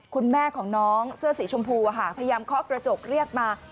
คุณแม่ของน้องเสื้อสีชมพูพยายามเคาะกระจกเรียกมา